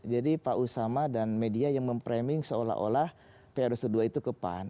jadi pak usama dan media yang mempreming seolah olah pr dua belas itu ke pan